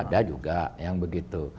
ada juga yang begitu